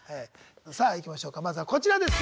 さあいきましょうかまずはこちらです。